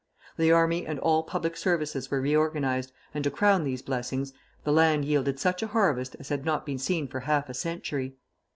The army and all public services were reorganized, and to crown these blessings, the land yielded such a harvest as had not been seen for half a century.